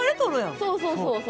そうそうそうそう。